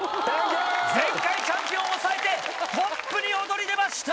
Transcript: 前回チャンピオンを抑えてトップに躍り出ました！